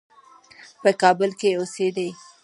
په کابل کې اوسېدی.